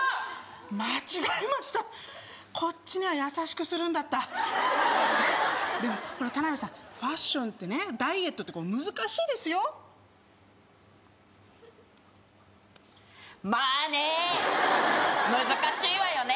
間違えましたこっちには優しくするんだったでもほら田辺さんファッションってねダイエットとか難しいですよまぁねー難しいわよね